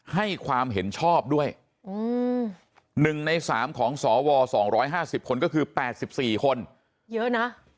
ให้ความเห็นชอบด้วย๑ใน๓ของสว๒๕๐คนก็คือ๘๔คนเยอะนะ